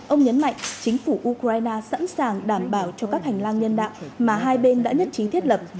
ông nhấn mạnh chính phủ ukraine sẵn sàng đảm bảo cho các hành lang nhân đạo mà hai bên đã nhất trí thiết lập